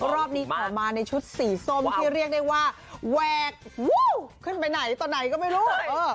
รอบนี้ขอมาในชุดสีส้มที่เรียกได้ว่าแหวกขึ้นไปไหนตอนไหนก็ไม่รู้